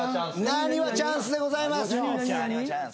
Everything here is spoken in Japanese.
なにわチャンスでございます